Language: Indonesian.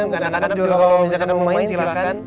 kadang kadang juga kalau bisa kamu main silahkan